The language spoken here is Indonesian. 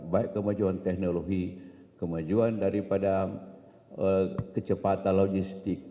baik kemajuan teknologi kemajuan daripada kecepatan logistik